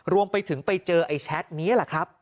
รวมไปถึงไปเจอไอ้แชทนี้แหละครับ